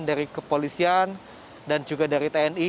dari kepolisian dan juga dari tni